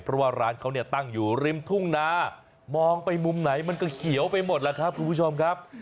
เพราะว่าร้านเขาเนี่ยตั้งอยู่ริมทุ่งนามองไปมุมไหนมันก็เขียวไปหมดล่ะครับคุณผู้ชมครับ